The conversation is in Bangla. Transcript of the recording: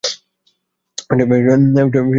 এটাই তোমাদের ঘুমপাড়ানি গল্প।